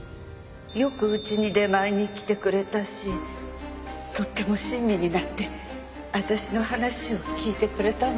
よくうちに出前に来てくれたしとっても親身になって私の話を聞いてくれたの。